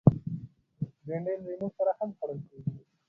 بېنډۍ له لیمو سره هم خوړل کېږي